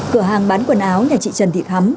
cửa hàng bán quần áo nhà chị trần thị thắm